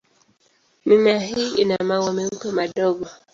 Mimea hii ina maua meupe madogo.